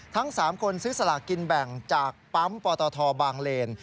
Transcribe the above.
ทั้ง๓คนซื้อสลากกินแบ่งจากปั๊มปตทบางเลน